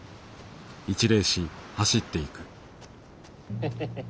ヘヘヘヘ。